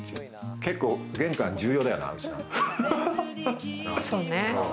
結構玄関重要だよな。